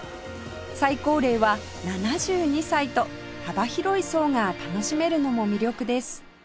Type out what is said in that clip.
最高齢は７２歳と幅広い層が楽しめるのも魅力です